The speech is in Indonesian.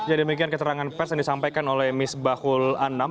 jadi demikian keterangan pers yang disampaikan oleh misbahul anam